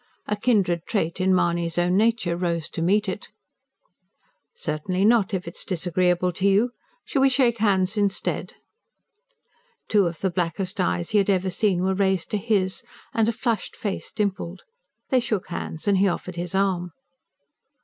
A kindred trait in Mahony's own nature rose to meet it. "Certainly not, if it is disagreeable to you. Shall we shake hands instead?" Two of the blackest eyes he had ever seen were raised to his, and a flushed face dimpled. They shook hands, and he offered his arm.